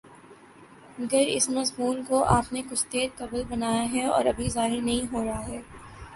گر اس مضمون کو آپ نے کچھ دیر قبل بنایا ہے اور ابھی ظاہر نہیں ہو رہا ہے